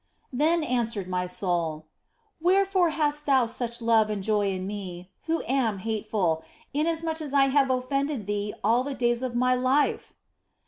Then answered my soul, " Wherefore hast Thou such love and joy in me, who am hateful, inasmuch as I have offended Thee all the days of my life